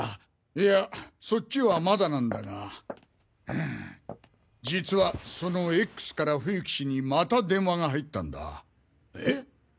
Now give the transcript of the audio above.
いやそっちはまだなんだが実はそのＸから冬木氏にまた電話が入ったんだ。